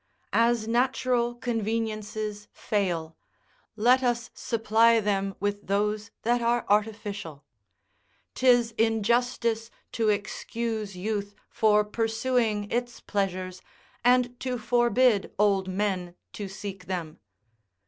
As natural conveniences fail, let us supply them with those that are artificial. 'Tis injustice to excuse youth for pursuing its pleasures, and to forbid old men to seek them.